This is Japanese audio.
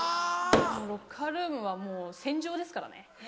ロッカールームはもう戦場ですからね。